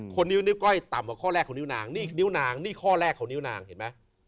นิ้วก้อยต่ำกว่าข้อแรกของนิ้วนางนี่นิ้วนางนี่ข้อแรกของนิ้วนางเห็นไหม